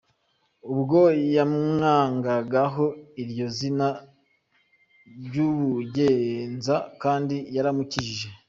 Ubwo yamwangagaho iryo zina ry’ubugenza kandi yaramukijije.